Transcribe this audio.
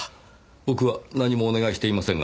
僕は何もお願いしていませんが。